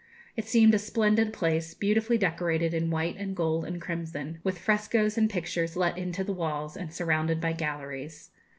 It seemed a splendid place, beautifully decorated in white and gold and crimson, with frescoes and pictures let into the walls, and surrounded by galleries.